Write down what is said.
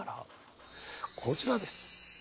こちらです。